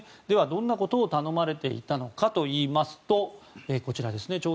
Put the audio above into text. では、どんなことを頼まれていたのかといいますとこちらですね。